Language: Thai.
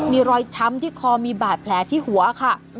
มีรอยช้ำที่คอมีบาดแผลที่หัวค่ะ